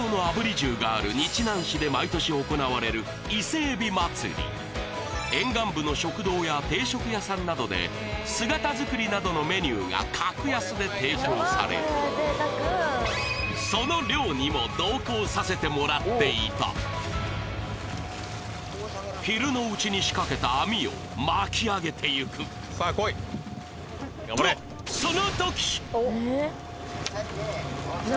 重がある日南市で沿岸部の食堂や定食屋さんなどで姿づくりなどのメニューが格安で提供されるその漁にも同行させてもらっていた昼のうちに仕掛けた網を巻き上げていくさあこいとその時！